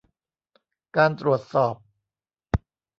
การตรวจสอบ